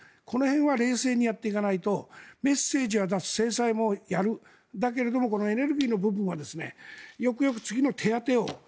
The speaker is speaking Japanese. この辺は冷静にやっていかないとメッセージは出す、制裁もやるだけどエネルギーの部分はよくよく次の手当てを。